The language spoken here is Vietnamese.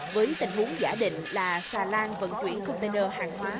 với tình huống giả định là xà lan vận chuyển container hàng hóa